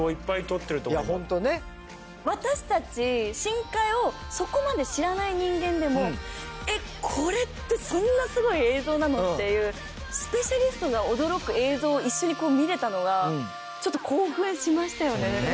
私たち深海をそこまで知らない人間でもえっこれってそんなすごい映像なの？っていうスペシャリストが驚く映像を一緒に見れたのが興奮しました。